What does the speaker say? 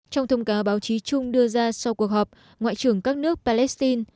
trong thông cáo báo chí chung đưa ra sau cuộc họp ngoại trưởng các nước palestine